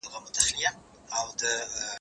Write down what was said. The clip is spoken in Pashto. زه به سبا سينه سپين کوم.